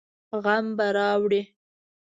غم به راوړي.